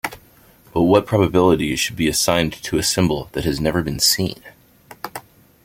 But what probability should be assigned to a symbol that has never been seen?